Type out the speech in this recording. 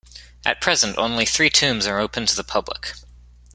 At present, only three tombs are open to the public.